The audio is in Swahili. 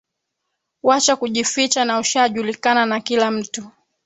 Wacha kujificha na ushajulikana na kila mtu